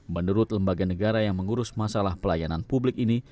menurut lembaga negara yang mengurus masalah pelayanan publik ini